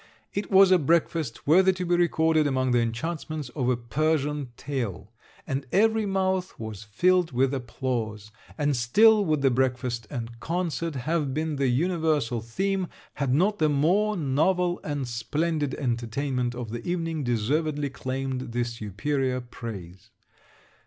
It was a breakfast worthy to be recorded among the enchantments of a Persian tale; and every mouth was filled with applause; and still would the breakfast and concert have been the universal theme, had not the more novel and splendid entertainment of the evening deservedly claimed the superior praise.